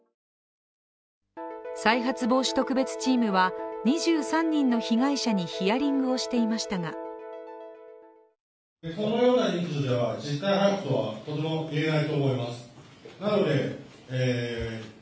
再発防止特別チームは、２３人の被害者にヒアリングをしていましたがまた再発防止特別チームが